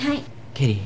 ケリー。